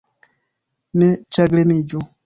Ne ĉagreniĝu.